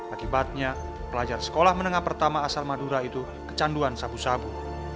akibatnya pelajar sekolah menengah pertama asal madura itu kecanduan sabu sabu